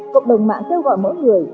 cộng đồng mạng kêu gọi mỗi người